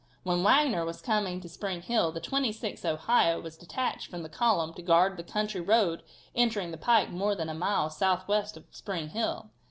When Wagner was coming to Spring Hill the 26th Ohio was detached from the column to guard a country road entering the pike more than a mile southwest of Spring Hill.